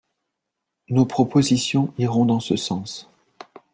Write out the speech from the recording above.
Nos propositions iront dans ce sens.